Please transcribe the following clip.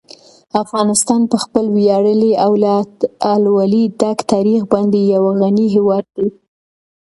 افغانستان په خپل ویاړلي او له اتلولۍ ډک تاریخ باندې یو غني هېواد دی.